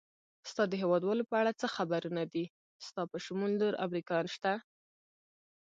ستا د هېوادوالو په اړه څه خبرونه دي؟ ستا په شمول نور امریکایان شته؟